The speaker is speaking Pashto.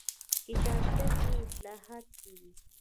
کتابچه کې اصلاحات کېږي